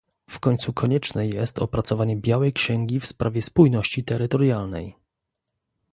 W końcu konieczne jest opracowanie białej księgi w sprawie spójności terytorialnej